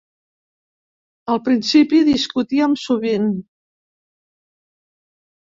Al principi discutíem sovint.